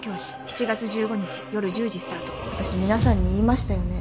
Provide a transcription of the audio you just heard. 私皆さんに言いましたよね？